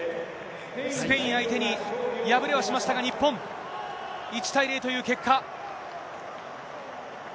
スペイン相手に敗れはしましたが、日本、１対０という結果。